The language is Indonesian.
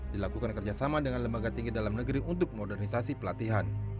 dilakukan kerjasama dengan lembaga tinggi dalam negeri untuk modernisasi pelatihan